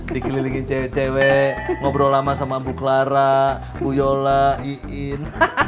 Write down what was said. dikelilingin cewek cewek ngobrol lama sama bu clara bu yola iin